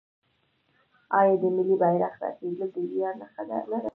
آیا د ملي بیرغ رپیدل د ویاړ نښه نه ده؟